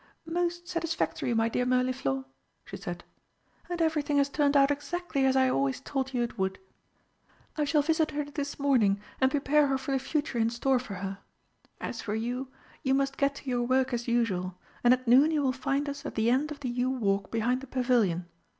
"Most satisfactory, my dear Mirliflor!" she said. "And everything has turned out exactly as I always told you it would. I shall visit her this morning and prepare her for the future in store for her. As for you, you must get to your work as usual, and at noon you will find us at the end of the yew walk behind the Pavilion.